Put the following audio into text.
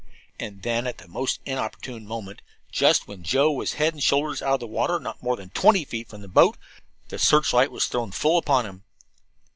And then, at the most inopportune moment, just when Joe was head and shoulders out of the water, not more than twenty feet away from the boat, the searchlight was thrown full upon him.